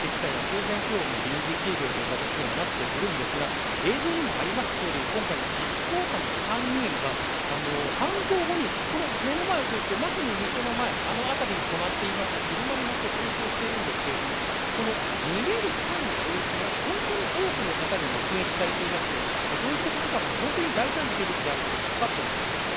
お店自体は今日も当然臨時休業という形ですが映像にもあったとおり今回、実行犯の３人は犯行後に目の前を通って、店の前あの辺りに止まっていた車に乗って逃走しているんですが逃げる際の様子も本当に多くの方に目撃されていてそういうことからも本当に大胆な手口であることが分かると思います。